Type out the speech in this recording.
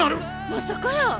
まさかやー。